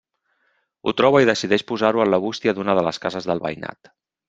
Ho troba i decideix posar-ho en la bústia d'una de les cases del veïnat.